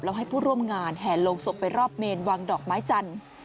แล้วให้ผู้ร่วมงานแห่ลงศพไปรอบเมนวางดอกไม้จันทร์